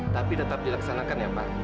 tapi tetap dilaksanakan ya pak